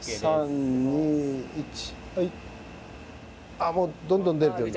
あっもうどんどん出る出る。